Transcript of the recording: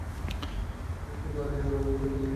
তুই ওকে বাড়ির বাইরে একা যেতে দিলি কেন?